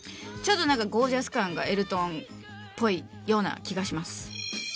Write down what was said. ちょっとなんかゴージャス感がエルトンっぽいような気がします。